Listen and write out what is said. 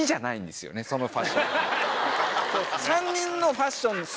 そのファッション。